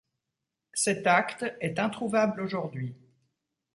Cet acte est introuvable aujourd'hui.